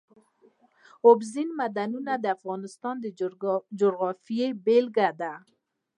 اوبزین معدنونه د افغانستان د جغرافیې بېلګه ده.